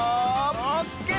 オッケー！